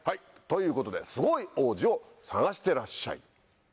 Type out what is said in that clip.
ということですごい王子を探してらっしゃい。